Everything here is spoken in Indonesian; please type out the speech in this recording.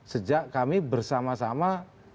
sejak kami bersama sama